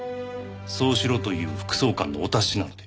そうしろという副総監のお達しなので。